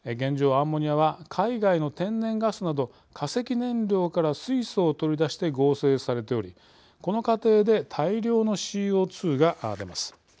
アンモニアは海外の天然ガスなど化石燃料から水素を取り出して合成されておりこの過程で大量のＣＯ２が出ます。